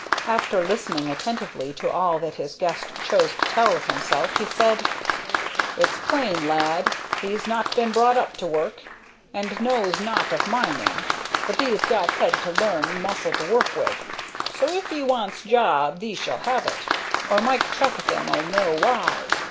After listening attentively to all that his guest chose to tell of himself, he said: "It's plain, lad, thee's not been brought up to work, and knows nought of mining; but thee's got head to learn and muscle to work with. So if 'ee wants job thee shall have it, or Mark Trefethen 'll know why.